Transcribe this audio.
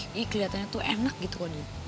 jadi kelihatannya tuh enak gitu kok nih